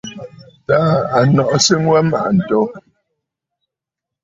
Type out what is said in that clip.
Taà à nɔʼɔ sɨŋ wa mmàʼà ǹto.